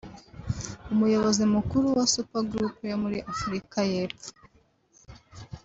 Umuyobozi Mukuru wa Super Group yo muri Afurika y’Epfo